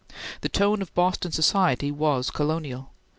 The tone of Boston society was colonial.